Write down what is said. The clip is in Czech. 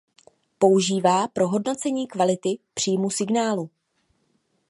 Používá pro hodnocení kvality příjmu signálu.